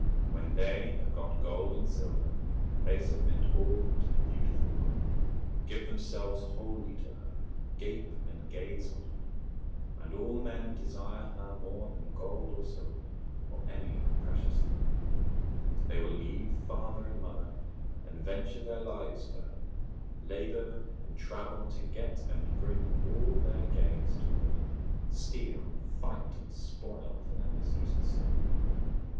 When they have got gold and silver, they submit all to a beautiful woman, give themselves wholly to her, gape and gaze on her, and all men desire her more than gold or silver, or any precious thing: they will leave father and mother, and venture their lives for her, labour and travel to get, and bring all their gains to women, steal, fight, and spoil for their mistress's sake.